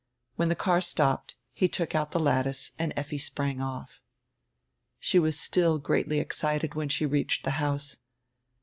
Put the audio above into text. When die car stopped he took out die lattice and Effi sprang off. She was still greatly excited when she reached the house.